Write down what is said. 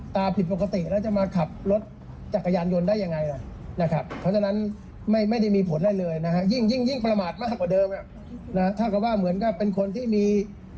ถ้ากำลังว่าเป็นคนที่มี